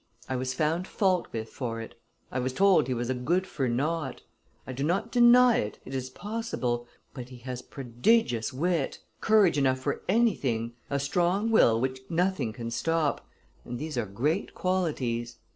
I was found fault with for it. I was told he was a good for naught. I do not deny it, it is possible; but he has prodigious wit, courage enough for anything, a strong will which nothing can stop, and these are great qualities."